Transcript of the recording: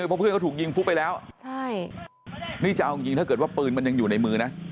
เพราะเพื่อนเขาถูกยิงฟุบไปแล้วใช่นี่จะเอาจริงถ้าเกิดว่าปืนมันยังอยู่ในมือนะ